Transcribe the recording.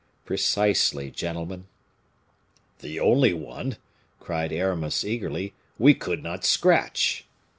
"Precisely, gentlemen." "The only one," cried Aramis, eagerly, "we could not scratch."